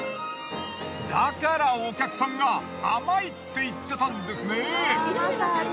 だからお客さんが甘いって言ってたんですね。